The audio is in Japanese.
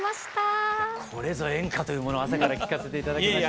これぞ演歌というものを朝から聴かせて頂きました。